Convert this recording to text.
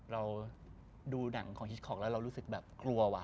เราดูหนังของฮิสคอกแล้วเรารู้สึกแบบกลัวว่ะ